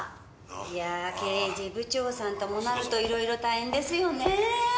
いやあ刑事部長さんともなると色々大変ですよねぇ。